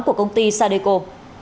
của công ty sadeco